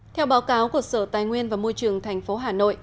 theo báo cáo cộng sở tài nguyên và môi trường tp hà nội